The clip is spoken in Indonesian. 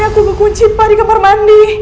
aku gak kunci di kamar mandi